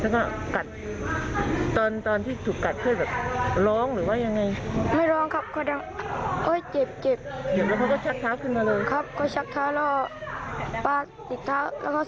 มีขีดด้านบนครับใต้ท้องสีขาว